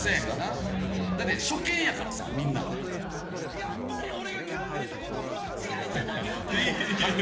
やっぱり俺が考えたことは間違いじゃなかったんや！